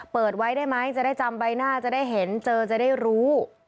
เปิดไว้ได้ไหมจะได้จำใบหน้าจะได้เห็นเจอจะได้รู้